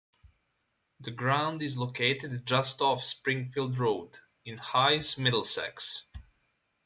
The ground is located just off Springfield Road in Hayes, Middlesex.